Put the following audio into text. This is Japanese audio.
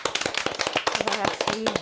すばらしい。